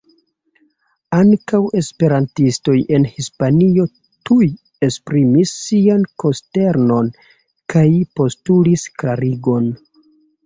Ankaŭ esperantistoj en Hispanio tuj esprimis sian konsternon kaj postulis klarigon.